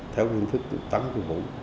theo nguyên thức tăng cung hữu